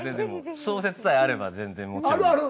小説さえあれば全然もちろん。